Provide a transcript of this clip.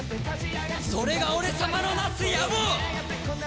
それが俺様のなす野望！